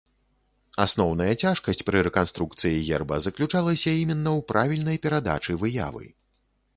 Асноўная цяжкасць пры рэканструкцыі герба заключалася іменна ў правільнай перадачы выявы.